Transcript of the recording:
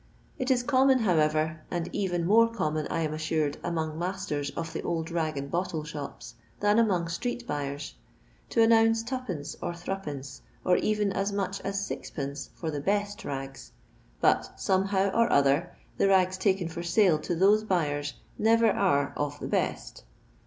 It is common, howe?er, and even more common, I am assured, among roasters I of the old rag and bottle shops, than among street I boyers, to announce 2d, or 8(^, or even as much i BsM., for the bat rags, but, somehow or other, the ' ngs taken for sale to those buyers never are of the best.